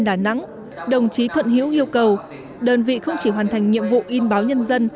đà nẵng đồng chí thuận hữu yêu cầu đơn vị không chỉ hoàn thành nhiệm vụ in báo nhân dân